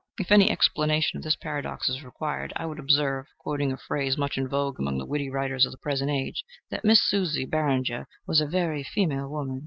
If any explanation of this paradox is required, I would observe, quoting a phrase much in vogue among the witty writers of the present age, that Miss Susie Barringer was "a very female woman."